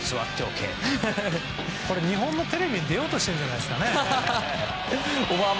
日本のテレビに出ようとしてるんじゃないですかね。